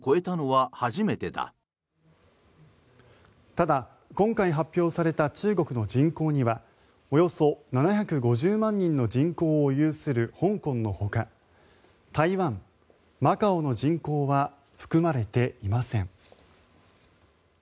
ただ、今回発表された中国の人口にはおよそ７５０万人の人口を有する香港のほか台湾、マカオの人口は含まれていません。